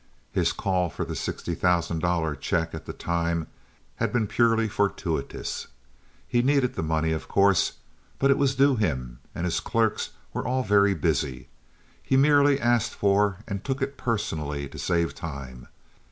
His call for the sixty thousand dollar check at the time had been purely fortuitous. He needed the money, of course, but it was due him, and his clerks were all very busy. He merely asked for and took it personally to save time.